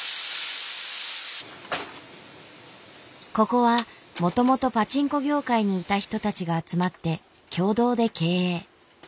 ここはもともとパチンコ業界にいた人たちが集まって共同で経営。